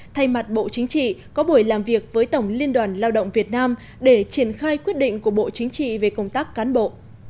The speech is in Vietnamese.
thay mặt bộ chính trị có buổi làm việc với tổng liên đoàn lao động việt nam để triển khai quyết định của bộ chính trị về công tác cán bộ